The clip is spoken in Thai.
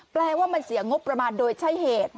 แปลว่ามันเสียงงบประมาณโดยใช่เหตุ